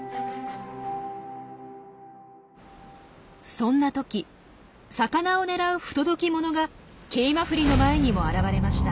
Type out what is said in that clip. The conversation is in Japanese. そんな時魚を狙う不届き者がケイマフリの前にも現れました。